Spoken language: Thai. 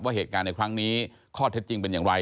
เหตุการณ์ในครั้งนี้ข้อเท็จจริงเป็นอย่างไร